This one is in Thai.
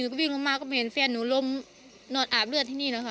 หนูก็บิ่งลงมาก็เห็นแฟนหนูลมนอนอาบเลือดที่นี่เลยค่ะ